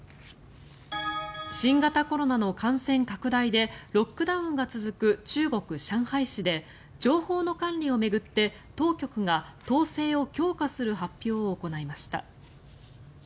新型コロナの感染拡大でロックダウンが続く中国・上海市で情報の管理を巡って当局が統制を強化する発表を行いました。